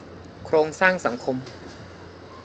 โครงสร้างสังคม